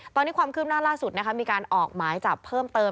ตอนนี้ความคืบหน้าล่าสุดมีการออกหมายจับเพิ่มเติม